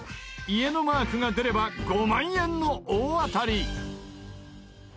家のマークが出れば５万円の大当たり。